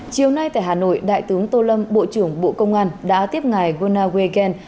chiều nay tại hà nội đại tướng tô lâm bộ trưởng bộ công an đã tiếp ngài gunnar wegen